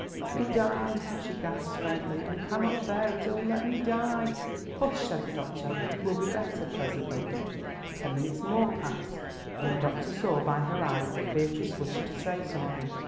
"Let me die," she gasped faintly. "I cannot bear it. Oh, let me die!" "Hush," said the doctor; "you will be better presently." Ten minutes more passed, when the doctor saw by her eyes that Beatrice wished to say something.